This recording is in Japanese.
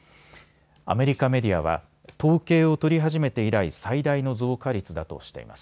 アメリカメディアは、統計を取り始めて以来最大の増加率だとしています。